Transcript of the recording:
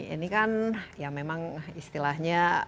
ini kan ya memang istilahnya